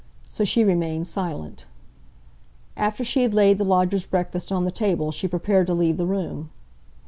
So she remained silent. After she had laid the lodger's breakfast on the table she prepared to leave the room.